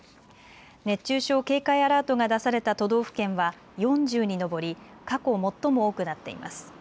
熱中症警戒アラートが出された都道府県は４０に上り過去最も多くなっています。